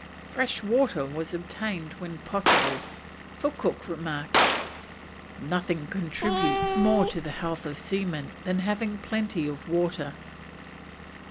Fresh water was obtained when possible, for Cook remarks, "nothing contributes more to the health of seamen than having plenty of water."